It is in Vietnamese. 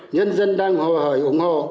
nhân dân đang hồ hởi ủng hộ